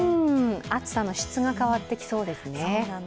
暑さの質が変わってきそうですね。